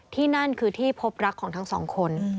ที่นั่นคือที่พบรักของทั้งสองคน